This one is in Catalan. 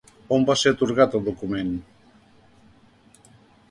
On va ser atorgat el document?